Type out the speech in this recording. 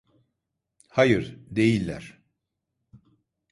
Hayır, değiller.